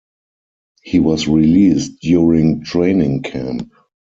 He was released during Training Camp.